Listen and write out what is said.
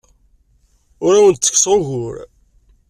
Ur awen-ttekkseɣ ugur.